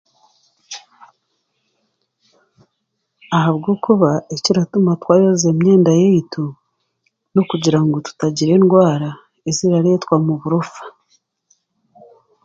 Ahabwokuba ekiratuma twayoza emyenda yaitu n'okugira ngu tutaagira endwara ezirareetwa omu burofa